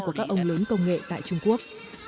của các ông lớn công nghệ tại trung quốc